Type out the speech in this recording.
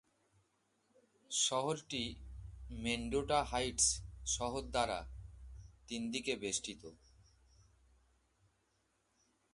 শহরটি মেন্ডোটা হাইটস্ শহর দ্বারা তিন দিকে বেষ্টিত।